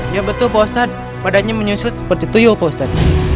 ya betul bapak ustadz badannya menyusut seperti tuyul bapak ustadz